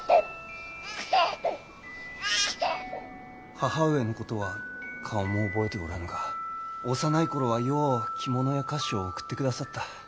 母上のことは顔も覚えておらぬが幼い頃はよう着物や菓子を送ってくださった。